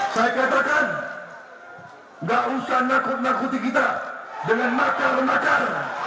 saya katakan gak usah nakut nakuti kita dengan makar makar